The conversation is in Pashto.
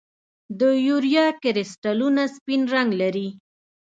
د یوریا کرسټلونه سپین رنګ لري.